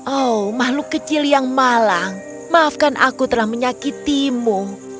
oh makhluk kecil yang malang maafkan aku telah menyakitimu